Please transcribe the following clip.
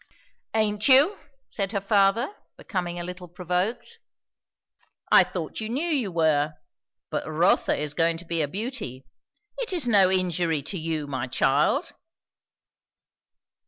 "Aint you?" said her father, becoming a little provoked. "I thought you knew you were. But Rotha is going to be a beauty. It is no injury to you, my child."